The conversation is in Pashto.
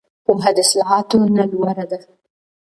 پوهه د اصطلاحاتو نه لوړه ده.